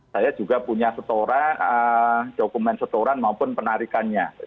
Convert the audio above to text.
saya juga punya setoran dokumen setoran maupun penarikannya